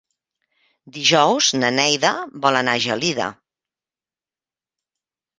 Dijous na Neida vol anar a Gelida.